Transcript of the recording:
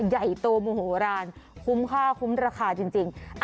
ใหญ่โตโมโหลานคุ้มค่าคุ้มราคาจริง